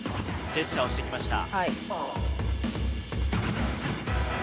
ジェスチャーをしてきました。